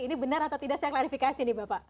ini benar atau tidak saya klarifikasi nih bapak